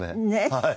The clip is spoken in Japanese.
はい。